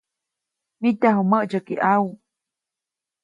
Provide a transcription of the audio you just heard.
Mityaju mäʼtsyäki ʼawu.